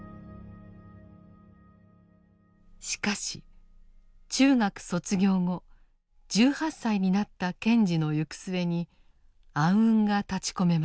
しかし中学卒業後１８歳になった賢治の行く末に暗雲が立ちこめます。